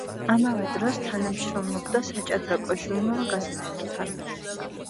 ამავე დროს თანამშრომლობდა საჭადრაკო ჟურნალ-გაზეთებთან.